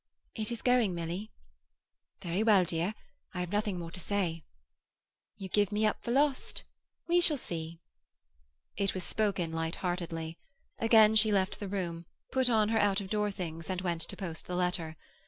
"It is going, Milly." "Very well, dear. I have nothing more to say." "You give me up for lost. We shall see." It was spoken light heartedly. Again she left the room, put on her out of door things, and went to post the letter.